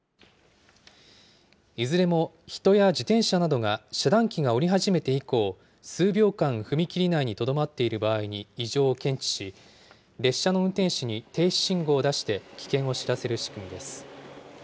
いずれも人や自転車などが、遮断機が下り始めて以降、数秒間踏切内にとどまっている場合に異常を検知し、列車の運転士に停止信号を出して、危険を知らせる仕組みです。